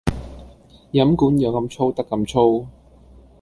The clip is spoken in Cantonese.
飲管有咁粗得咁粗